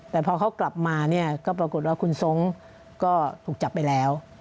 แต่พอเขากลับมาเนี่ยก็ปรากฏว่าคุณทรงก็ถูกจับไปแล้ว